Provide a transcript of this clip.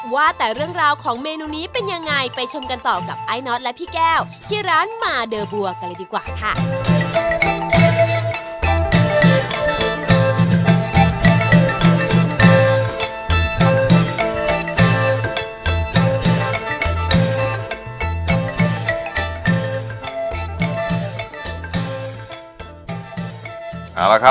ว่าแต่เรื่องราวของเมนูนี้เป็นยังไงไปชมกันต่อกับไอ้น็อตและพี่แก้วที่ร้านมาเดอร์บัวกันเลยดีกว่าค่ะ